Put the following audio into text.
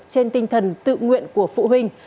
trên tinh thần tự nguyện của phụ huynh